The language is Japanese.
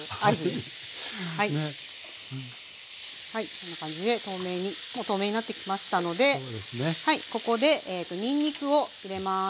こんな感じでもう透明になってきましたのでここでにんにくを入れます。